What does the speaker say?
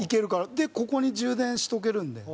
で、ここに充電しておけるので。